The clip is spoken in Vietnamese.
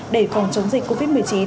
để phòng chống dịch covid một mươi chín